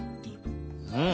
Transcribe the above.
うん！